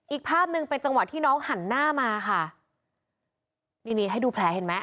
อีกภาพหนึ่งเป็นจังหวะที่น้องหันหน้ามาค่ะนี่นี่ให้ดูแผลเห็นไหม